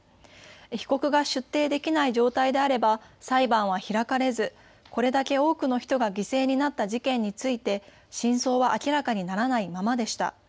被告が出廷できない状態であれば裁判は開かれず、これだけ多くの人が犠牲になった事件について真相は明らかにならないままでした。